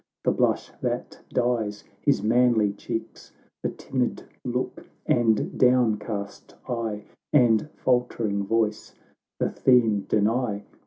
The blush that dyes his manly cheeks, The timid look, and down ca.st eye, And faltering voice, the theme deny.